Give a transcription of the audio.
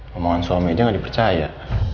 ngomongan suami aja gak dipercaya